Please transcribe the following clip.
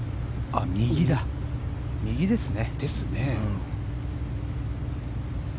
右ですね。